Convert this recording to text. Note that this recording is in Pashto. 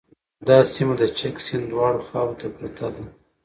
دا سیمه د چک د سیند دواړو خواوو ته پراته دي